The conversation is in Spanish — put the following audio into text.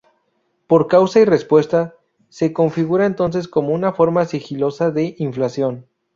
Por causa y respuesta, se configura entonces como una forma sigilosa de inflación.